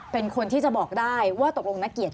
เป็นคนที่จะบอกได้ว่าตกลงนักเกียรติ